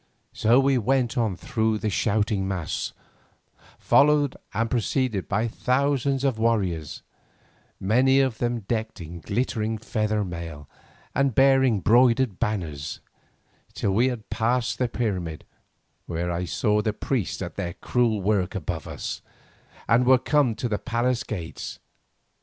So we went on through the shouting mass, followed and preceded by thousands of warriors, many of them decked in glittering feather mail and bearing broidered banners, till we had passed the pyramid, where I saw the priests at their cruel work above us, and were come to the palace gates.